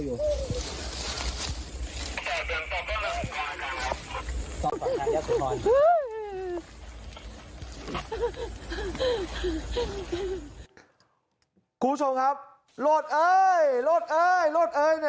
คุณผู้ชมครับโรดเอ้ยโรดเอ้ยโรดเอ้ยเนี่ย